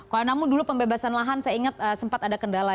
kalau namun dulu pembebasan lahan saya ingat sempat ada kendala